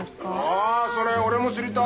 あそれ俺も知りたい！